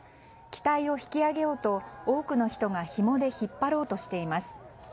機体を引き上げようと多くの人がひもで引っ張ろうとしています。